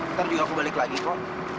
ntar juga aku balik lagi kok